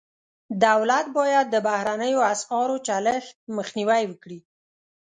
دولت باید د بهرنیو اسعارو چلښت مخنیوی وکړي.